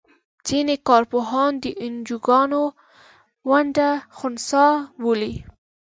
ځینې کار پوهان د انجوګانو ونډه خنثی بولي.